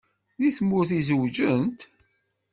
Deg tmurt i zewǧent?